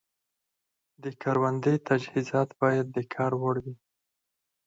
د کروندې تجهیزات باید د کار وړ وي.